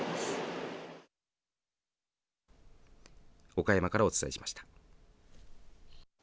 岡山からお伝えしました。